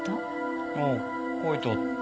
ああ書いてあった。